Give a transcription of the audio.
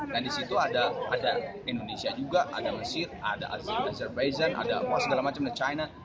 dan di situ ada indonesia juga ada mesir ada azerbaijan ada china